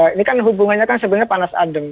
ini kan hubungannya kan sebenarnya panas adem